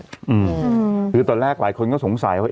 คือตอนแรกหลายคนก็สงสัยว่า